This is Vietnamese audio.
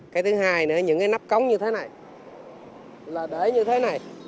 cái thứ hai nữa những cái nắp cống như thế này là để như thế này